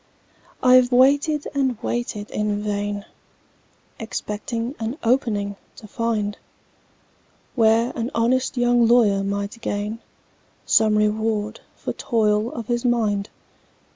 "I've waited and waited in vain, Expecting an 'opening' to find, Where an honest young lawyer might gain Some reward for toil of his mind.